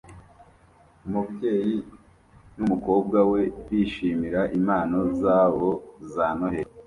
Umubyeyi n'umukobwa we bishimira impano zabo za Noheri